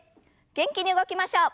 元気に動きましょう。